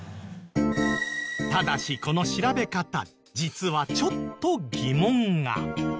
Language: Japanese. ただしこの調べ方実はちょっと疑問が。